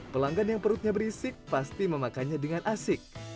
pelanggan yang perutnya berisik pasti memakannya dengan asik